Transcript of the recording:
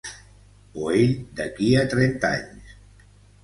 O ell d'aquí a trenta anys.